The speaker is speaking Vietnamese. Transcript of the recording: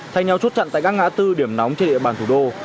thay nhau chốt chặn tại các ngã tư điểm nóng trên địa bàn thủ đô